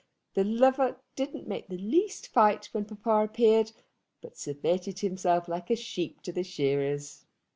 The lover didn't make the least fight when papa appeared, but submitted himself like a sheep to the shearers.